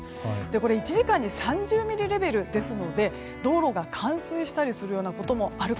これ、１時間に３０ミリレベルですので道路が冠水したりするようなこともある